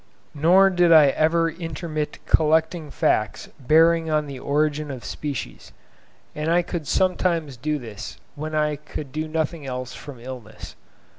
Nor did I ever intermit collecting facts bearing on the origin of species; and I could sometimes do this when I could do nothing else from illness.